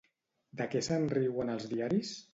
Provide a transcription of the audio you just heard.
De què se'n riuen els diaris?